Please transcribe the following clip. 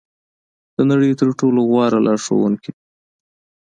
د نړۍ تر ټولو غوره لارښوونکې وي.